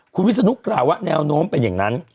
คุณวิศนุกล่าวว่าแนวโน้มเป็นอย่างนั้น